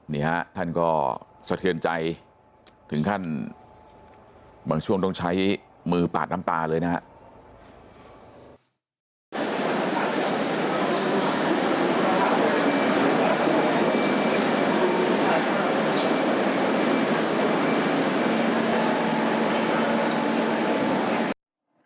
นี่ฮะท่านก็สะเทือนใจถึงขั้นบางช่วงต้องใช้มือปาดน้ำตาเลยนะครับ